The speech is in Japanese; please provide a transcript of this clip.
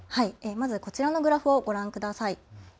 まずはこちらのグラフをご覧ください。